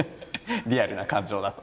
リアルな感情だと。